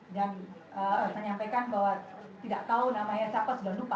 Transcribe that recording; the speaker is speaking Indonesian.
dan menyampaikan bahwa tidak tahu namanya sapa sudah lupa